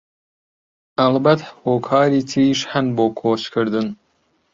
هەڵبەت هۆکاری تریش هەن بۆ کۆچکردن